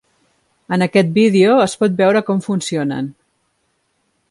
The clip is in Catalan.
En aquest vídeo es pot veure com funcionen.